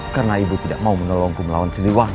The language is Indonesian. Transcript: karena ibu tidak mau menolongku melawan siliwangi